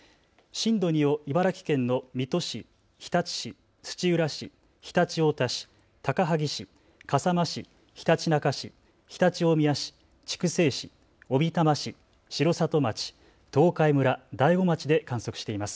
震度２を茨城県の水戸市、日立市、土浦市、常陸太田市、高萩市、笠間市、ひたちなか市、常陸大宮市、筑西市、小美玉市、城里町、東海村、大子町で観測しています。